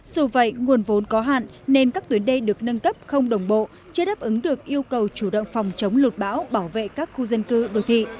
dù vậy nguồn vốn có hạn nên các tuyến đê được nâng cấp không đồng bộ chưa đáp ứng được yêu cầu chủ động phòng chống lụt bão bảo vệ các khu dân cư đồ thị